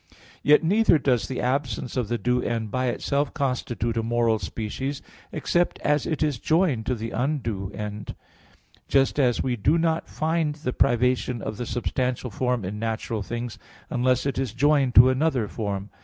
Yet neither does the absence of the due end by itself constitute a moral species, except as it is joined to the undue end; just as we do not find the privation of the substantial form in natural things, unless it is joined to another form.